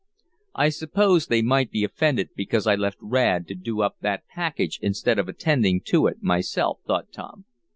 "I suppose they might be offended because I left Rad to do up that package instead of attending to it myself," thought Tom.